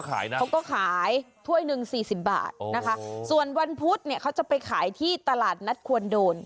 ขายครับขายถ้วยนึง๔๐บาทอูนวันพฤษเนี่ยเขาจะไปขายที่ตลาดนัทควรโด